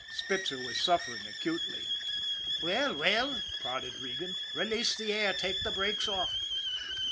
Spitzer was suffering acutely. " Well, well/' prodded Regan. " Release the air ! Take the brakes off!"